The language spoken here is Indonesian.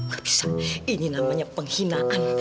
gak bisa ini namanya penghinaan